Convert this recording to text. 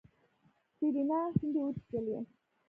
سېرېنا شونډې وچيچلې.